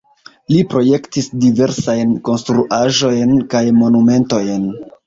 Li projektis diversajn konstruaĵojn kaj monumentojn.